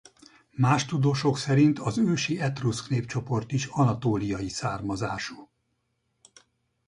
Más tudósok szerint az ősi etruszk népcsoport is anatóliai származású.